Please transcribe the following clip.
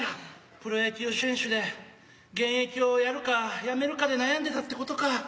プロ野球選手で現役をやるかやめるかで悩んでたってことか。